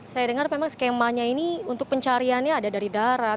saya dengar memang skemanya ini untuk pencariannya ada dari darat